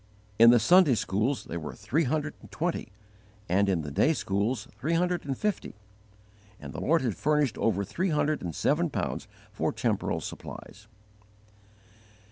In the Sunday schools there were three hundred and twenty, and in the day schools three hundred and fifty; and the Lord had furnished over three hundred and seven pounds for temporal supplies.